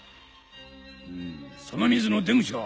その水の出口は？